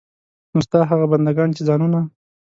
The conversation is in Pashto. نو ستا هغه بندګان چې ځانونه.